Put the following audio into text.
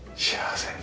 幸せ。